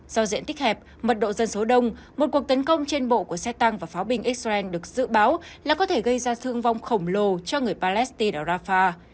do diện tích hẹp mật độ dân số đông một cuộc tấn công trên bộ của xe tăng và pháo binh xrn được dự báo là có thể gây ra thương vong khổng lồ cho người palestine ở rafah